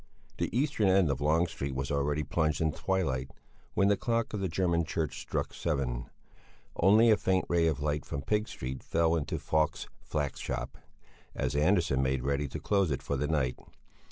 The eastern end of Long Street was already plunged in twilight, when the clock of the German church struck seven; only a faint ray of light from Pig Street fell into Falk's flax shop, as Andersson made ready to close it for the night.